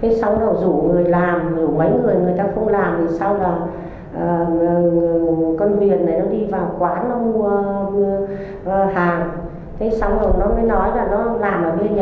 thế xong rồi nó mới nói là nó làm ở đây